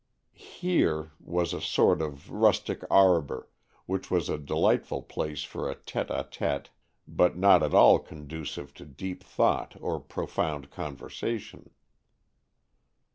"Here" was a sort of a rustic arbor, which was a delightful place for a tête à tête, but not at all conducive to deep thought or profound conversation.